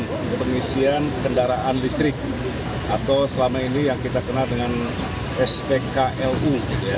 untuk pengisian kendaraan listrik atau selama ini yang kita kenal dengan spklu